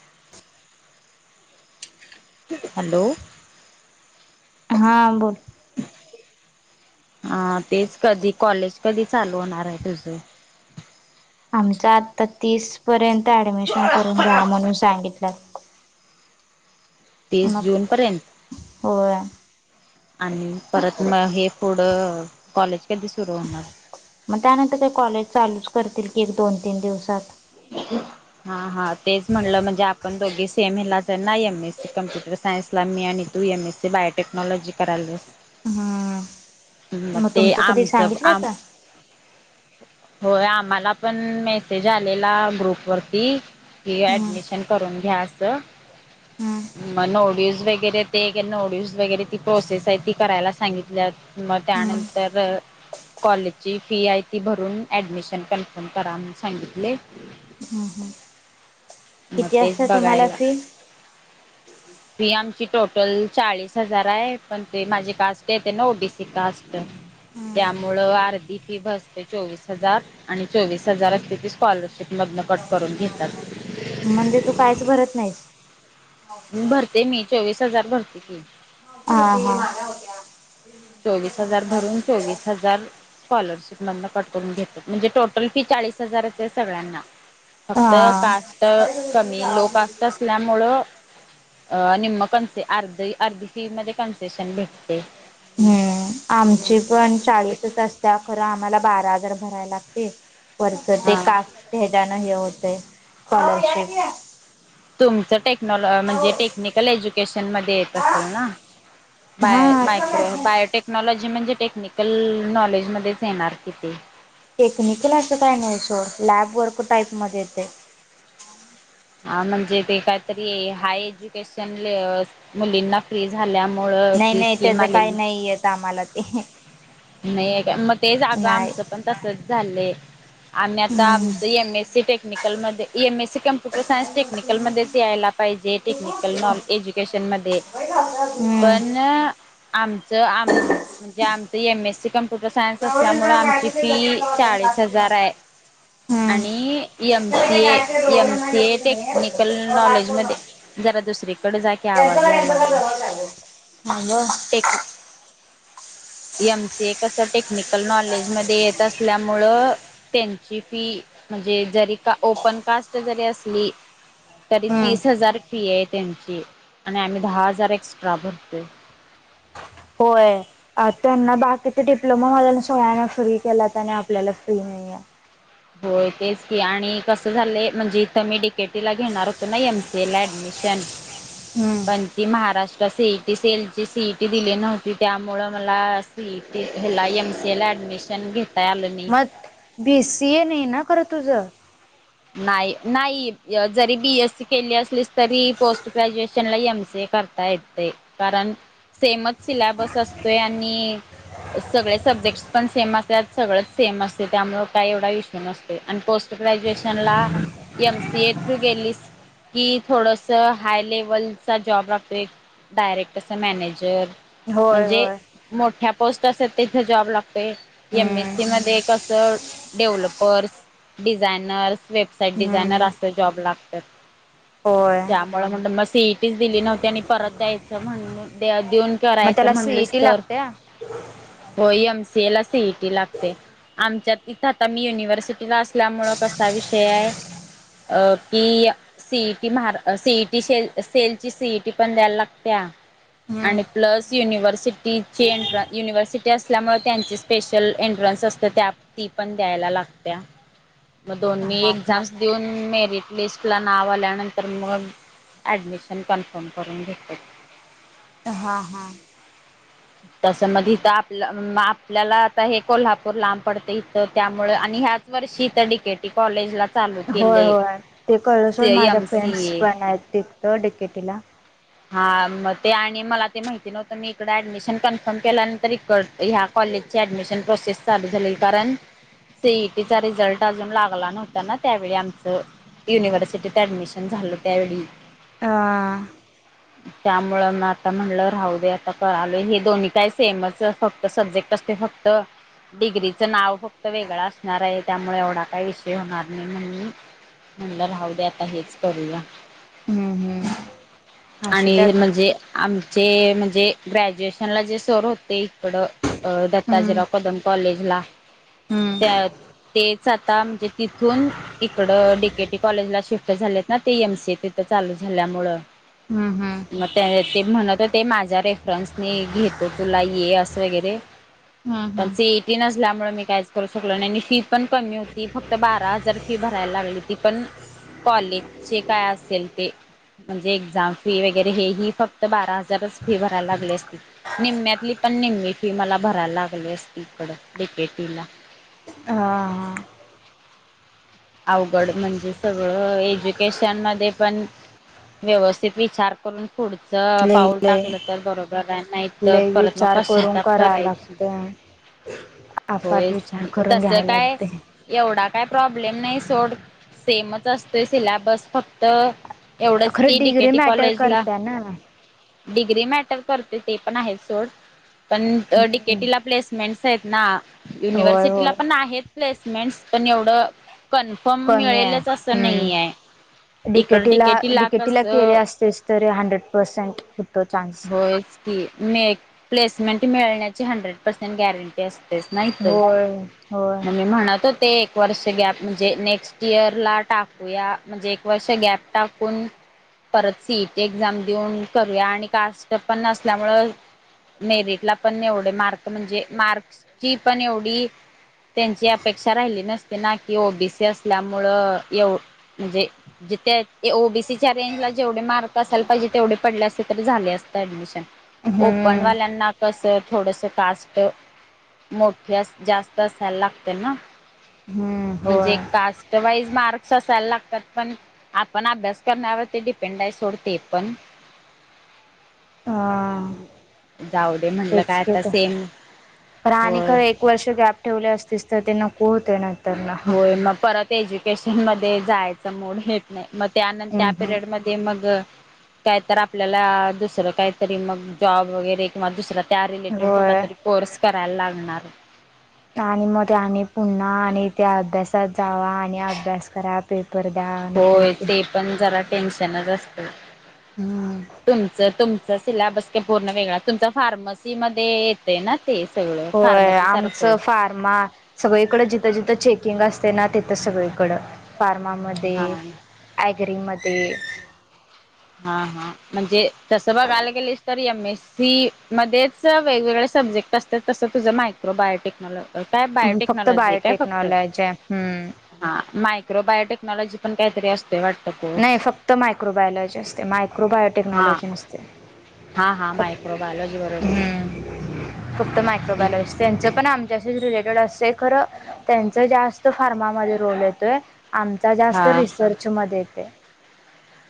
[inaudible] [unintelligible] Hello! हा बोल. हा तेच कधी कॉलेज कधी चालू होणार आहे तुझ? आमच आता तीस पर्यंत ऍडमिशन करून घ्या म्हणून सांगितलं. तीस मग जून पर्यंत होय आणि परत म हे. पुढे कॉलेज कधी सुुरू होणार? म त्यानंतर काय कॉलेज चालूच करतील की एक दोन तीन दिवसात हा हा तेच म्हटलं म्हजे आपण दोघी सेम हेलाच हाय ना एमएस सी कम्प्युटर सायन्स ला मी आणि मी तू एम एससी बायोटेक्नॉलॉजी कराल्यास हमम म तुमचं कधी आमचं आम सांगितल्यात? होय आमाला पण मेसेज आलेला ग्रुपवर कि हम्म ऍडमिशन करून घ्या अस हम्म म नोड्युज वेगेरे ते गे नोड्युज वेगरे ती प्रोसेस हाय ती करायला सांगितल्या म हम्म. त्यानंतर कॉलेजची फी हाय ती भरून ऍडमिशन कन्फर्म करा म्हनून सांगितलय हम्म हम्म म किती तेच असते तुम्हाला बघायला फी? फी आमची टोटल अ चाळीस हजार हाय पण ते माझी कास्ट येत्या ना ओबीसी कास्ट त्यामुळ अर्धी फी भरते चोवीस हजार आणि चोवीस हजार असत्या ती स्कॉलरशिप मधन कट करून घेतात म्हणैजे तू कायच भरत नायस भरते मी चोवीस हजार भरती की ह ह चोविस हजार भरून चोविस हजार स्कॉलरशिप मदन कट करून घेत्यात म्हणजे टोटल टोटल फी चाळीस हजारच हाय सगळ्यांना फक्त हा. कास्ट कमी लो कास्ट असल्यामुळं अं निम्म कनसे अर्धे अर्धी फी मध्ये कन्सेशन भेटतय हम्म आमची पण चाळीसच असत्या खरं आमाला बारा हजार भराय लागतय वरच ते हा कास हेज्यान हे होतंय स्कॉलरशिप तुमचं टेक्नॉलॉ म्हणजे टेक्निकल एज्युकेशन मदे येत असल ना बाय हा मायक्रो बायोटेक्नॉलॉजी म्हणजे टेक्निकल नॉलेज मदेच येणार कि ते टेक्निकल असं काही नइ सोड लॅब वर्क टाईप मदे येतय हा म्हणजे ते कायतरी हाय एज्युकेशन लेअ मुलींना फ्री झाल्यामु नइ नइ तेज काय नइ येत आमाला ते नइय काय म तेच अग नाही आमचं पण तसच झालंय आमी आता हम्म. आमचं एम एसी टेक्निकलमदे M S C computer science टेक्निकलमदेच यायला पाहिजे जे टेक्निकल हम्म. नॉल एज्युकेशन मध्ये येतय पण आमच आम म्हणजे आमच एमएससी कंप प्युटर सायन्स असल्यामुळे आमची फी चाळीस हजार हाय आणि एमसीए एमसीए टेक्निकल नॉलेज हम्म. मध्ये जरा दुसरीकड जा की आवाज यालागलाय थांब ह एम सी ए कसं टेक्निकल नॉलेजमध्ये येत असल्यामुळं तें फी म्हणजे जरी का ओपन कास्ट जरी असली तरी हम्म तीस हजार फी ये तेंची आणि आमी दहा हजार एक्स्ट्रा भरतोय होय आ त्यांना बाकीच डिप्लोमा वाल्यांना सोळ्यांना फ्री केल्यात आणि आपल्याला फ्री नइय होय तेच की आणि कसं झालंय म्हणजे इथं मी डीकेटी ला घेणार हुतो ना एमसीए ला ऍडमिशन शन हम्म पण ते महाराष्ट्र सीईटी सेल ची सीईटी दिली नव्हती त्यामुळे मला सीईटी हेला एम सी ए ला ऍड डमिशन घेत मत बीसीए नइ ना खरं तुझ नाई नाई जरी बीएस सी केली असलीस तरी पोस्ट ग्रॅज्युएशन ला एम सी ए करता येतय कारण सेमच सिलॅबस असतोय आणि सगळे सब्जेक्ट् पण सेम असत सगळच सेम असते त्यामुळे काय एवढा इश्यू नसते आणि पोस् ग्रॅज्युएशन ला एमसी ए थ्रू गेलीस कि थोडस हाय लेवलचा जॉब राहतोय डायरेक्ट असं मॅनेजर होय म्हणजे होय. मोठ्या पोस्ट असे तिथे जॉब लागतेो एम हम्म एससी मध्ये असं डेव्हलपर्स डिझानर्स वेबसाईट डिझनर हम्म. असत जॉब लात होय त्यामुळे म सीटीच दिली नव्हती आणि परत द्यायचं म्हण देऊन मग करायच त्याला म्हणले सीईटी तर लागत्या? होम ला आमच्या तथ आ म युनिव्हर्सिटीला असल्यामुळे विषय आहे अ की सीईटी मार सीईटीे सेल ची सीईटी पण द्यायला लागते हा हम्म. आणि प्लस युनिव्हर्सिटी एं युनिव्हर्सिटी असल्यामुळे त्यांची स्पेशल एंट्रन्स ण द हा हा द ए वीट लिस्ट ला नाव आल्यानंतर मग ऍडमिशन कन्फर्म करून घेते ह हा हा तसं मग इथ आपल्या आपल्याला आता हे कोल्हापूर लांब पडते इथं त्यामुळे ह्याच वर्षी तर डीकेटी कॉलेजला चालू होय केले होय ते कळलं सड माझ्या एम सी फ्रेंड्स ए पण आहेत तिकतं डिकेटीला हा मग ते आणि मला ते माहिती नव्हतं मी इकड ऍडमिशन कन्फर्म केल्यानंतर इ ह्या कॉलेज ची ऍडमिशन प्रोसेस चालू झा कारण सीईटीचा रिझल्ट अजून लागला नव्हता ना त्यावेळी आमचं युनिव्हर्सिटीत ऍडमिशन झालं त्यावेळी आ त्यामुळ मग आता म्हणलं राहू दे आता क आलोय हे दोन्ही काय सेमच फक्त सब्जेक्ट असते फक्त डिग्रीचं नाव फक्त वेगळां असणार आहे त्यामुळे एवढा काय विषय होणार नाही म्हण म्हणलं राहू द्या आता हेच करूया. हम्म हम्म. असू दे आणि आता. म्हणजे आमचे म्हणजे ग्रॅज्युएशन नला जे सर होते इकडं हम्म अदत्ताजराव कदम कॉलेजला हम्म. त्या तेच आता म्हणजे तिथून इकड डीकेटी कॉलेजला शिफ्ट झाले. ना ते एमसीए तिथं चालू झाल्यामुळ हम्म हम्म मग ते म्हणत होते माझ्या रेफरन्स मी घेतो तूला ये असं वगैरे हम्म पण हम्म सिईटी नसल्यामुळे मी काहीच करू शकलो नाही आणि फी पण कमी होती. फक्त बारा हजार फी ब भरायला लागलीवती पण कॉलेजचे काय असेल ते म्हणजे एक्झाम फी वगैरे हे हि फक्त बारा हजारच फी भरायला लागले अस निम्म्यातली पण निम्मी फी मला भरायला लागली असती इकडं डिकेटीला. [inaudible] हा अवघड म्हणजे सगळं एज्युकेशनमध्ये पण व्यवस्थित विचार करून पुढचं लई पाऊल लई टाकलं तर बरोबर आहे नाही तर लई परत मग विचार करून पशचातप कराय करायच लागते अफाट होयच विचार की करून तस घ्यायला काय लागते एवढा काय प्रॉब्लेम नाही सोड. सेमच असतोय सिलॅबस फक्त एवढंच खरं की डिग्री डीकेटी मॅटर कॉलेजला करते ना डिग्री मॅटर करते ते पण आहे सोड, पण हम्म डीकेटीला प्लेसमेंट ना होय युनिव्हर्सिटीला होय पण आहेत प्लेसमेंटस पण एवढं कन्फर्म मिळेलच असं नाही आहे. इकड डीकेटीला, डिकेटी ला डीकेटीला केली कसं असतेस तर हंड्रेड पर्सेंट होतो चान्स. ती मी प्लेसमेंट मिळण्याची हंड्रेड पर्सेंट गॅरंटी अस तेच ना इथं, होय होय मग मी म्हणत होते एक वर्ष गॅप म्हणजे नेक्स्ट इयरला टाकूया. म्हणजे एक वर्ष गॅप टाकून परत सीईट एक्झाम देऊन करूया आणि कास्ट पण असल्यामुळं मेरिटला पण एवढे मार्क म्हणजे मार्कची पण एवढी त्यांची अपेक्षा राहिली नसती ना. की ओबीसी असल्यामुळे एवं म्हणजे जिथं ओबीसीच्या रेंजला जेवढे मार्क असायला पाहिजे तेवढे पडले असते तरी झाले असतं ऍडमिशन. ओपन हम्म वाल्याना कसं थोडंस कास्ट मोठी जास्त असायला लागते ना. हम्म म्हणजे होय कास्टवाईज मार र्क्स असायला लागतात, पण आपण अभ्यास करण्यावरती डिपेंड आहे सोड ते पण. हा जाऊदे म्हटलं काय आता सेम खर आणि होय खरं एक वर्ष गॅप ठेवले असतीस तर ते नको होते ना होय मग परत एज्युकेशनमध्ये जायचा मूड येत नाही. मग त्यानं त्या हम्म पिरियडमध्ये मग कायतर आपल्याला दुसरं काहीतरी मग जॉब वगैरे किंवा दुसर त्या रिलेटेड कुठला होय तरी कोर्स करायला लागणार. आणि मग आणि पुन्हा आणि त्या अभ्यासात जावा आणि अभ्यास करा. पेप होय ते पण जरा टेन्शनचं असतय. हम्म तुमचं तुम चा सिलॅबस काय पूर्ण वेगळा तुमचा फार्मसीमध्ये येतय ना? ते सगळं होय फार्मसी सारखं आमचं फार्मा सगळीकडं जिथं, जिथं चेकिंग असतय ना ते तर सगळीकडं फार्मामध्ये, हा ऍग्रीमध्ये हा, हा म्हणजे तसं बघायला गेलीस तर एम ए सी मध्येच वेगवेगळे सब्जेक्ट असतात तसं तुझं मायक्रो बायोटेक्नॉलॉज काय फक्त बायोटेक्नॉलॉजी हाय काय फक्त? बायोटेक्नॉलॉजी हम्म हा. मा बायो टेक्नॉलॉजी पण काहीतरी असं नाही फक्त मायक्रो बायोलॉजी असते, मायक्रो हा बायोटेक्नॉलॉजी नसते. हा हा मायक्रो बायलोजी बरोबर. हम्म फक्त मायक्रोबायलॉजी त्यांचं पण आमच्याशीच रिलेटेड असते. खरं त्यांच जास्त फार्मामध्ये रोल येतोय आमचा जास्त हा रिसर्चमध्ये येत. [inaudible]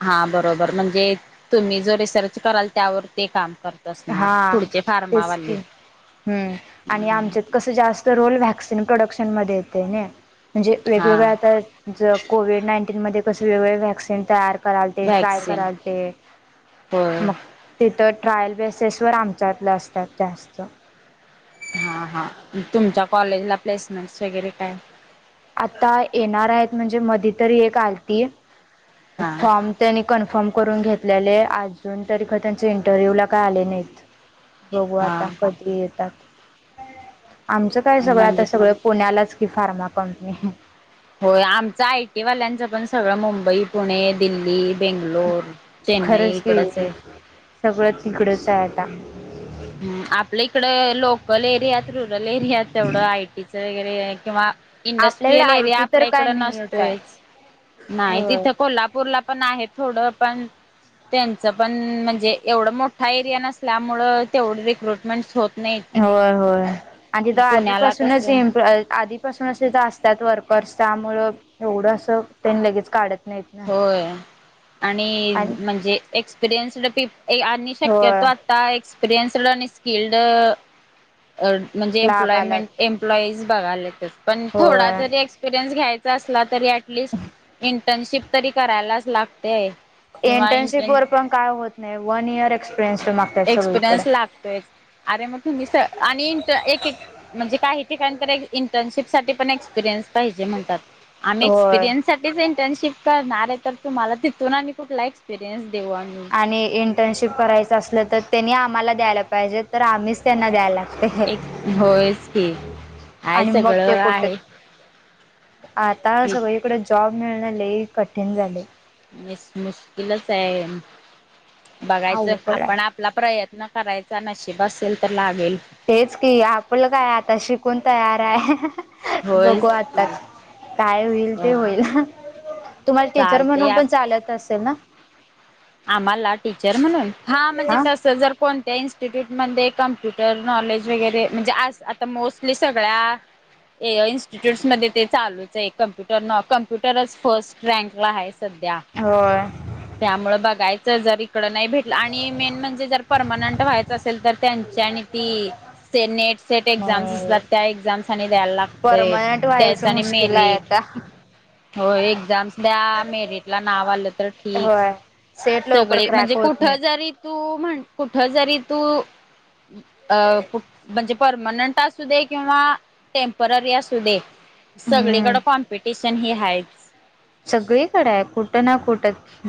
हा बरोबर म्हणजे तुम्ही जो रिसर्च कराल त्यावर ते काम करता. हा तेच की हम्म आणि आमच्यात कस जास्त रोल व्हॅक्स कडक्शन मध्ये येतंय नाही म्हणजे हा वेगवेगळे आता जे कोविड नाईन टिन मध्ये कस वेगवेगळे व्हॅक्सीन तयार करालते, ट्राय व्हॅक्सिन करालते. होय मग तिथं ट्रायल बेसस व आमच्यातलं असतात जास्त. हा हा तुमच्या कॉलेजला प्लेसमेंट्स वगैरे काय? आता येणार आहेत म्हणजे मधी तरी एक आलती. हा फॉर्म त्यांनी कन्फर्म करून घेतल्याले. अजून तरी ख त्यांच्या इंटरव्ह्यू ला काय आले नाहीत बघू हा आता कधी येतात. आमचं काय सगळं म्हणजे आता सगळं पुण्यालाच की फार्मा कंपनी आहे. होय आमच आयटी वाल्यांचं पण सगळं, मुंबई पुणे, दिल्ली. बेंगलोर चेन्नई खरंच की इकडच आहे. सगळं तिकडंच आहे आता. ह् आपल्या इकड लोकल एरियात, रुरल एरियात तेवढं आयटीच वगैरे किंवा आपल्याकडे इंडस्ट्रियल एरिया आयटी तर आपल्या काय इकडं नाहीच आहे. नसतोयच. नाही तिथं कोल्हापूरला पण आहे थोडं. पण त्यांचं पण म्हणजे एवढं मोठा एरिया नसल्यामुळं तेवढी रिक्रुटमेंट्स होत नाहीत. होय होय आणि तथ पुण्याला आधीपासूनच कसं इप आधीपासून असतात वर करस त्यामुळं एवढं असं ते लगेच काढत नाहीत ना होय. आणि म्हणजे एक्सपिरियन्सड पीप आणि शक्यतो होय आता एक्पिरियन्सड आणि स्किल्ड म्हणजे लागायला एम्प्लॉयमेंट एम्प्लॉईज बघा पण थोडा होय जरी एक्सपिरियन्स घ्यायचा असला तरी अटलिस्ट इंटर्नशिप तरी करायलाच लागत. इंटर्नशिप वर पण काय होत नाही वन इयर एक्सपिरियन्स माग एक्सपिरियन्स लागतोय अरे मग तुम्ही स आणि इंट एक एक म्हणजे काही इंटर्नशिप साठी पण एक्सपिरियन्स म्हणतात आम् होय एक्पिरियन्स साठी इंटर्नशिप करणार आहे तर तु मला तिथून अन् कुठला एक्सपिरियन्स देऊ आम्ही. आणि इंटर्नशिप करायचं असलं तर त्यांनी आम्हाला द्यायला पाहिजे तर आम्हीच त्यांना द्यायला लाग एक होयच की आहे आणि मग सगळं ते कुठे आहे आता सगळीकडे जॉब मिळन लई कठीण झालय. मुश्किलच आहे बघायचं अवघड आपण आहे आपला प्रयत्न न करायचा नशीब असेल तर लागल. तेच की आपलं काय आता शिकून तयार आहे. बघू होयच आता की काय होईल ते होय होईल. तुम्हाला टीचर चालते म्हणून पण चालत असेल ना. आम्हाला टीचर म्हणून हा म्हणजे तस जर कोण त्या इन्स्टिट्यूटमध्ये कम्प्युटर नॉलेज वगैरे म्हणजे आता मोस्टली सगळ्या इन्स्टिट्यूट्स मध्ये ते चालूच आहे कम्प्युटर न कम्प्युटरच फर्स्ट रँकला आहे. सध्या होय त्यामुळे बघायचं जरी इकड नाही भेटलं आणि मेन म्हणजे जर परमनंट व्हायचं असेल तर त्यांची आणि ती नेट सेट एक्झाम्स असतात नाही त्या एक्झाम्स आणि द्यायला लागत परमनंट त्याचा व्हायचं आणि मुश्किल आहे मेरिट आता. हो एक्झाम्स द्या मेरिट ला नाव आलं तर ठीक. होय सेट लवकर सगळे म्हणजे क्रॅक होत कुठ नाही. जरी तू म्ह कुठ जरी तू अ म्हणजे परमनंट असू दे किंवा टेम्पररी असू दे हम्म सगळीकडे कॉम्पिटिशन हे हायच सगळीकडे आहे कुठं ना कुठं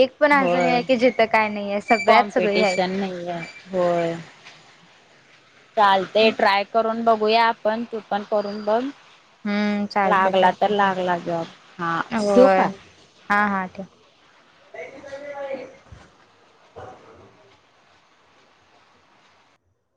एक पण अस नाही होय आहे की जिथं काय नाही आहे सगळ्यात सगळी आहेत कॉम्पिटिशन नाही होय [inaudible] चालते ट्राय करून बघूया आपण तू पण करून बघ हम्म चालते लागला तर चालते लागला जॉब हा ठेऊ होय का हा हा ठेव